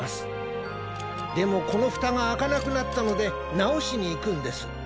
でもこのふたがあかなくなったのでなおしにいくんです。